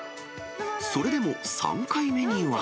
それでも３回目には。